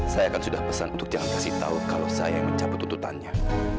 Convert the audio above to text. saya akan sudah pesan untuk jangan kasih tahu kalau saya yang mencabut tuntutannya